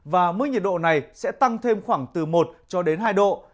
và mức nhiệt độ này sẽ tăng thêm khoảng từ một cho đến hai độ